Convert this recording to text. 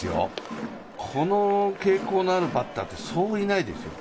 この傾向のあるバッターは、そういないですよ。